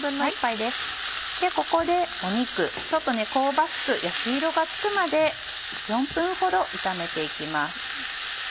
ここで肉ちょっと香ばしく焼き色がつくまで４分ほど炒めて行きます。